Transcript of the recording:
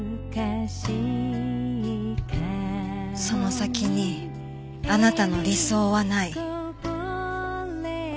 「その先にあなたの理想はない」。